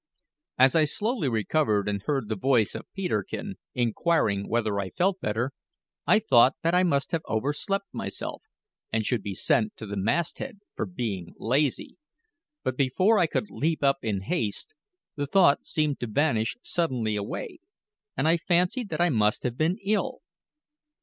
As I slowly recovered, and heard the voice of Peterkin inquiring whether I felt better, I thought that I must have overslept myself, and should be sent to the masthead for being lazy; but before I could leap up in haste, the thought seemed to vanish suddenly away, and I fancied that I must have been ill.